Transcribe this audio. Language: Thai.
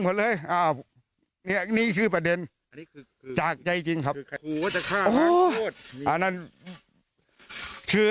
หมดเลยอ่าเนี้ยนี่คือประเด็นจากใจจริงครับอ๋ออันนั้นคือ